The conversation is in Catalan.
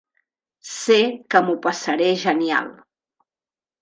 Sé que m'ho passaré genial.